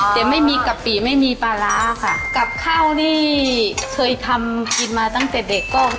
แต่ไม่มีกะปิไม่มีปลาร้าค่ะกับข้าวนี่เคยทำกินมาตั้งแต่เด็กก็